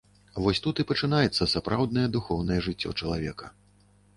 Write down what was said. Вось тут і пачынаецца сапраўднае духоўнае жыццё чалавека.